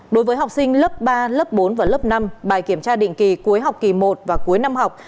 đối với học sinh lớp ba lớp bốn và lớp năm bài kiểm tra định kỳ cuối học kỳ một và cuối năm học